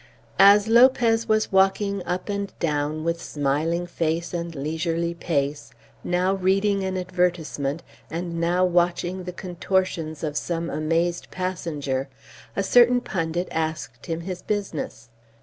As Lopez was walking up and down, with smiling face and leisurely pace, now reading an advertisement and now watching the contortions of some amazed passenger, a certain pundit asked him his business.